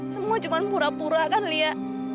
semua cuma pura pura kan lia